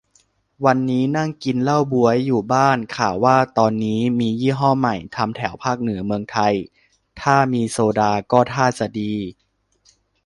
วันนี้นั่งกินเหล้าบ๊วยอยู่บ้าน ข่าวว่าตอนนี้มียี่ห้อใหม่ ทำแถวภาคเหนือเมืองไทย ถ้ามีโซดาก็ท่าจะดี